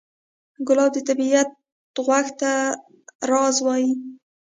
ګلاب د طبیعت غوږ ته راز وایي.